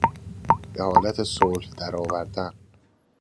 به حالت صلح در آوردن